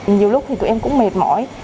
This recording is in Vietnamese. nhiều lúc thì tụi em cũng mệt mỏi